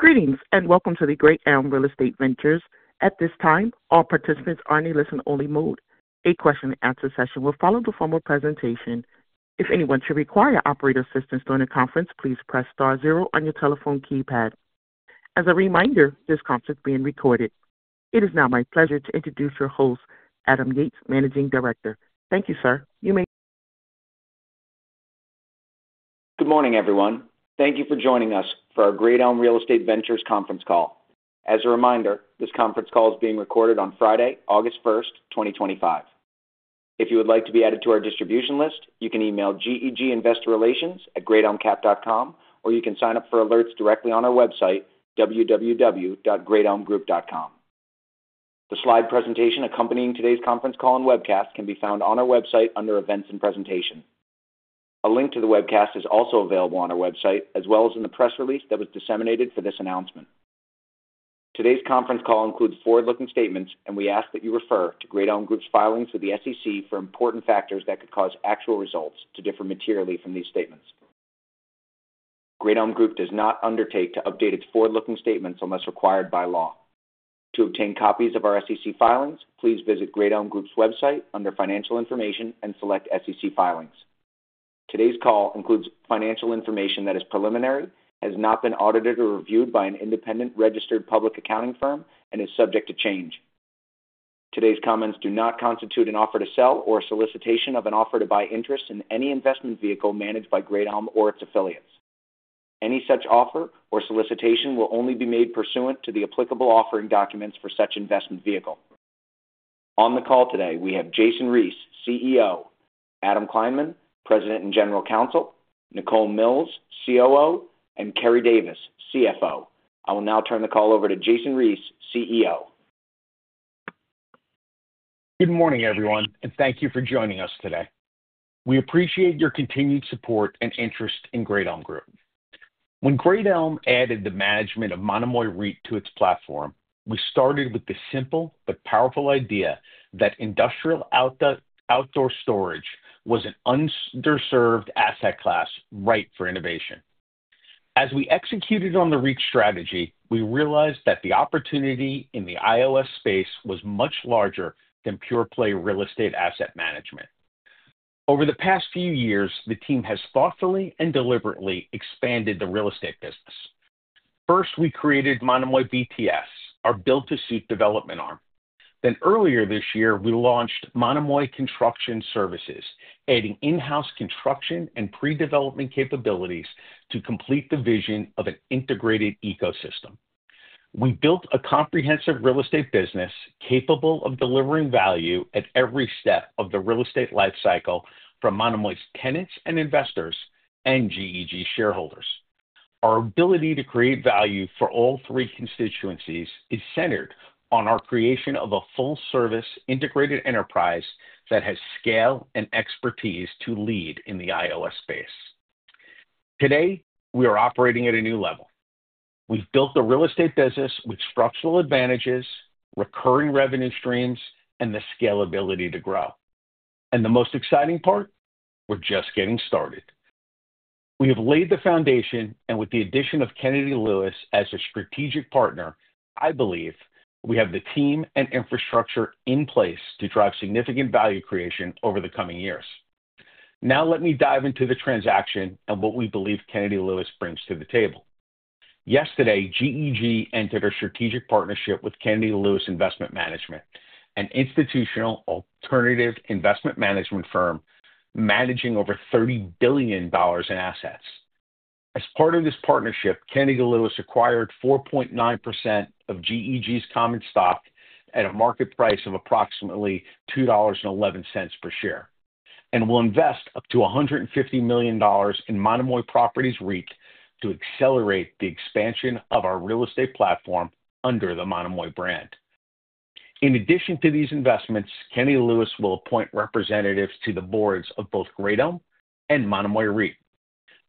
Greetings and welcome to Great Elm Real Estate Ventures. At this time, all participants are in a listen-only mode. A question-and-answer session will follow the formal presentation. If anyone should require operator assistance during the conference, please press star zero on your telephone keypad. As a reminder, this conference is being recorded. It is now my pleasure to introduce your host, Adam Yates, Managing Director. Thank you, sir. You may. Good morning, everyone. Thank you for joining us for our Great Elm Real Estate Ventures conference call. As a reminder, this conference call is being recorded on Friday, August 1st, 2025. If you would like to be added to our distribution list, you can email GEG Investor Relations at greatelmcap.com, or you can sign up for alerts directly on our website, www.greatelmgroup.com. The slide presentation accompanying today's conference call and webcast can be found on our website under Events and Presentation. A link to the webcast is also available on our website, as well as in the press release that was disseminated for this announcement. Today's conference call includes forward-looking statements, and we ask that you refer to Great Elm Group filings with the SEC for important factors that could cause actual results to differ materially from these statements. Great Elm Group. does not undertake to update its forward-looking statements unless required by law. To obtain copies of our SEC filings, please visit Great Elm Group website under Financial Information and select SEC Filings. Today's call includes financial information that is preliminary, has not been audited or reviewed by an independent registered public accounting firm, and is subject to change. Today's comments do not constitute an offer to sell or a solicitation of an offer to buy interest in any investment vehicle managed by Great Elm Group or its affiliates. Any such offer or solicitation will only be made pursuant to the applicable offering documents for such investment vehicle. On the call today, we have Jason Reese, CEO, Adam Kleinman, President and General Counsel, Nicole Milks, COO, and Keri Davis, CFO. I will now turn the call over to Jason Reese, CEO. Good morning, everyone, and thank you for joining us today. We appreciate your continued support and interest in Great Elm Group. When Great Elm added the management of Monterey Properties REIT to its platform, we started with the simple but powerful idea that industrial outdoor storage was an underserved asset class ripe for innovation. As we executed on the REIT strategy, we realized that the opportunity in the ILS space was much larger than pure-play real estate asset management. Over the past few years, the team has thoughtfully and deliberately expanded the real estate business. First, we created Monterey BTS, our built-to-suit development arm. Earlier this year, we launched Monterey Construction Services, adding in-house construction and pre-development capabilities to complete the vision of an integrated ecosystem. We built a comprehensive real estate business capable of delivering value at every step of the real estate lifecycle for Monterey's tenants and investors and GEG shareholders. Our ability to create value for all three constituencies is centered on our creation of a full-service, integrated enterprise that has scale and expertise to lead in the ILS space. Today, we are operating at a new level. We've built the real estate business with structural advantages, recurring revenue streams, and the scalability to grow. The most exciting part is we're just getting started. We have laid the foundation, and with the addition of Kennedy Lewis Investment Management as a strategic partner, I believe we have the team and infrastructure in place to drive significant value creation over the coming years. Now, let me dive into the transaction and what we believe Kennedy Lewis brings to the table. Yesterday, GEG. entered a strategic partnership with Kennedy Lewis Investment Management, an institutional alternative investment management firm managing over $30 billion in assets under management. As part of this partnership, Kennedy Lewis acquired 4.9% of GEG common stock at a market price of approximately $2.11 per share and will invest up to $150 million in Monterey Properties REIT to accelerate the expansion of our real estate platform under the Monterey brand. In addition to these investments, Kennedy Lewis will appoint representatives to the boards of both Great Elm and Monterey REIT.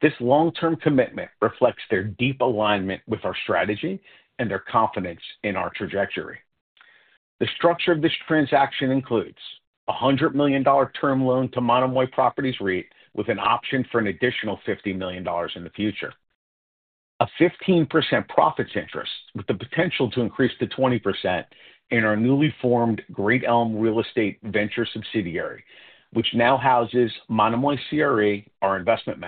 This long-term commitment reflects their deep alignment with our strategy and their confidence in our trajectory. The structure of this transaction includes a $100 million term loan to Monterey Properties REIT, with an option for an additional $50 million in the future, a 15% profits interest with the potential to increase to 20% in our newly formed Great Elm Real Estate Ventures subsidiary, which now houses Monterey CRE, our investment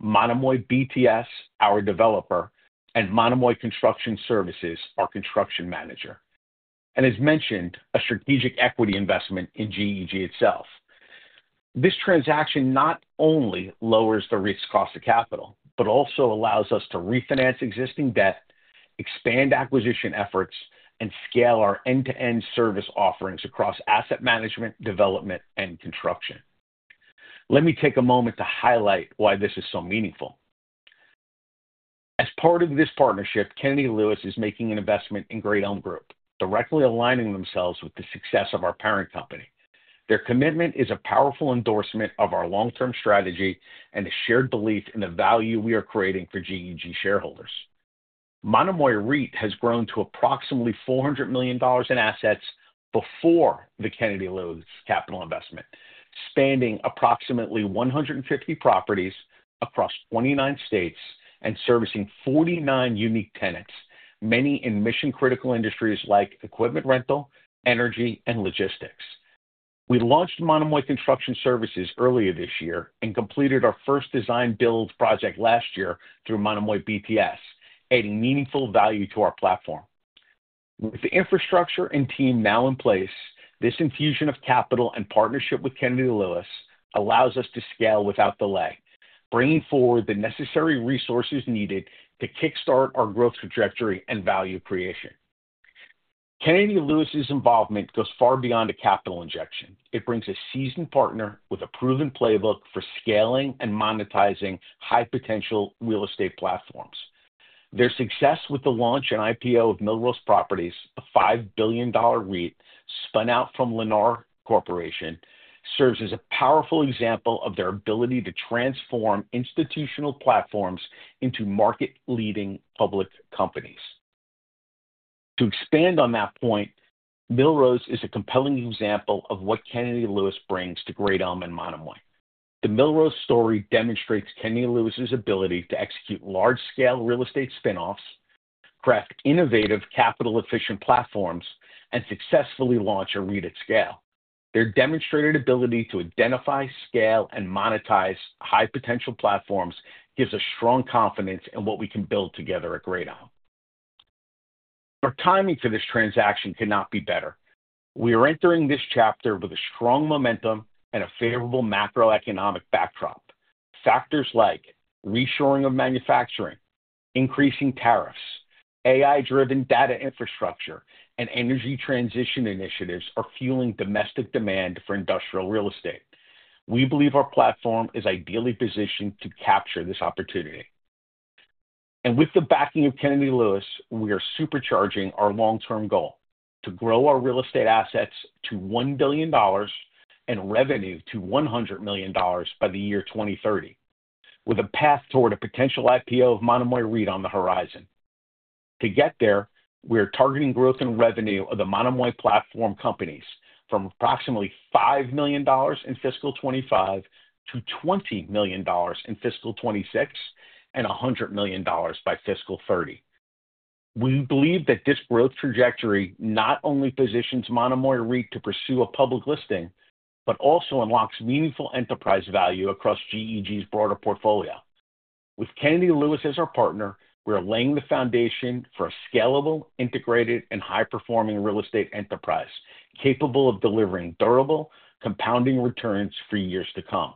manager, Monterey BTS, our developer, and Monterey Construction Services, our construction manager, and, as mentioned, a strategic equity investment in GEG itself. This transaction not only lowers the REIT's cost of capital but also allows us to refinance existing debt, expand acquisition efforts, and scale our end-to-end service offerings across asset management, development, and construction. Let me take a moment to highlight why this is so meaningful. As part of this partnership, Kennedy Lewis is making an investment in Great Elm Group, directly aligning themselves with the success of our parent company. Their commitment is a powerful endorsement of our long-term strategy and a shared belief in the value we are creating for GEG shareholders. Monterey REIT has grown to approximately $400 million in assets before the Kennedy Lewis capital investment, spanning approximately 150 properties across 29 states and servicing 49 unique tenants, many in mission-critical industries like equipment rental, energy, and logistics. We launched Monterey Construction Services earlier this year and completed our first design-build project last year through Monterey BTS, adding meaningful value to our platform. With the infrastructure and team now in place, this infusion of capital and partnership with Kennedy Lewis allows us to scale without delay, bringing forward the necessary resources needed to kickstart our growth trajectory and value creation. Kennedy Lewis's involvement goes far beyond a capital injection. It brings a seasoned partner with a proven playbook for scaling and monetizing high-potential real estate platforms. Their success with the launch and IPO of Millrose Properties, a $5 billion REIT spun out from Lennar Corporation, serves as a powerful example of their ability to transform institutional platforms into market-leading public companies. To expand on that point, Millrose is a compelling example of what Kennedy Lewis brings to Great Elm and Monterey. The Millrose story demonstrates Kennedy Lewis's ability to execute large-scale real estate spin-offs, craft innovative, capital-efficient platforms, and successfully launch a REIT at scale. Their demonstrated ability to identify, scale, and monetize high-potential platforms gives us strong confidence in what we can build together at Great Elm. Our timing for this transaction could not be better. We are entering this chapter with strong momentum and a favorable macroeconomic backdrop. Factors like reshoring of manufacturing, increasing tariffs, AI-driven data infrastructure, and energy transition initiatives are fueling domestic demand for industrial real estate. We believe our platform is ideally positioned to capture this opportunity. With the backing of Kennedy Lewis, we are supercharging our long-term goal to grow our real estate assets to $1 billion and revenue to $100 million by the year 2030, with a path toward a potential IPO of Monterey REIT on the horizon. To get there, we are targeting growth in revenue of the Monterey platform companies from approximately $5 million in fiscal 2025 to $20 million in fiscal 2026 and $100 million by fiscal 2030. We believe that this growth trajectory not only positions Monterey REIT to pursue a public listing but also unlocks meaningful enterprise value across GEG's broader portfolio. With Kennedy Lewis as our partner, we are laying the foundation for a scalable, integrated, and high-performing real estate enterprise capable of delivering durable, compounding returns for years to come.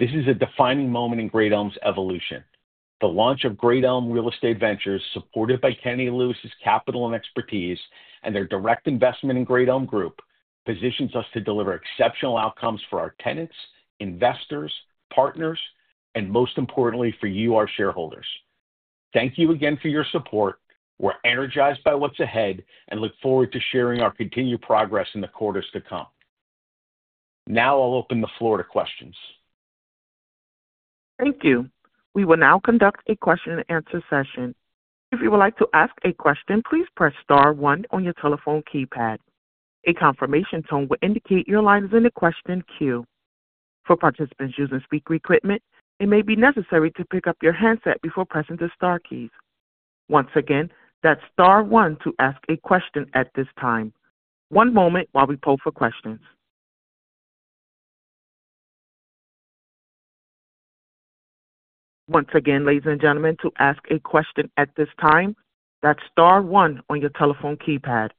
This is a defining moment in Great Elm's evolution. The launch of Great Elm Real Estate Ventures, supported by Kennedy Lewis's capital and expertise and their direct investment in Great Elm Group, positions us to deliver exceptional outcomes for our tenants, investors, partners, and most importantly, for you, our shareholders. Thank you again for your support. We're energized by what's ahead and look forward to sharing our continued progress in the quarters to come. Now I'll open the floor to questions. Thank you. We will now conduct a question-and-answer session. If you would like to ask a question, please press star one on your telephone keypad. A confirmation tone will indicate your line is in the question queue. For participants using speaker equipment, it may be necessary to pick up your headset before pressing the star keys. Once again, that's star one to ask a question at this time. One moment while we pull for questions. Once again, ladies and gentlemen, to ask a question at this time, that's star one on your telephone keypad.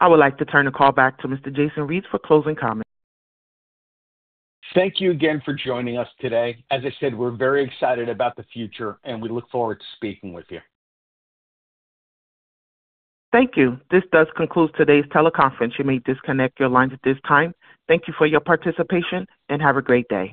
I would like to turn the call back to Mr. Jason Reese for closing comments. Thank you again for joining us today. As I said, we're very excited about the future, and we look forward to speaking with you. Thank you. This does conclude today's teleconference. You may disconnect your lines at this time. Thank you for your participation and have a great day.